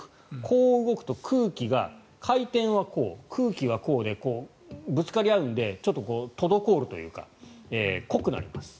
こう動くと空気が回転はこう空気はこうでぶつかり合うので滞るというか、濃くなります。